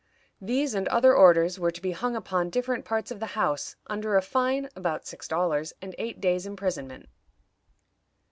These and other orders were to be hung upon different parts of the house, under a fine (about six dollars) and eight days' imprisonment.